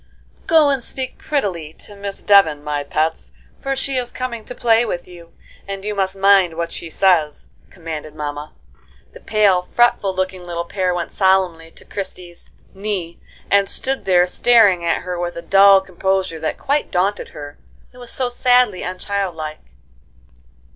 "Go and speak prettily to Miss Devon, my pets, for she is coming to play with you, and you must mind what she says," commanded mamma. The pale, fretful looking little pair went solemnly to Christie's knee, and stood there staring at her with a dull composure that quite daunted her, it was so sadly unchildlike.